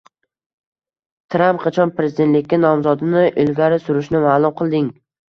Tramp qachon prezidentlikka nomzodini ilgari surishini ma’lum qilding